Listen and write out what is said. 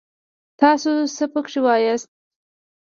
تاڅو څه پکې واياست!